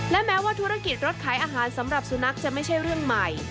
และแม้ว่าธุรกิจรถขายอาหารสำหรับสุนัขจะไม่ใช่เรื่องใหม่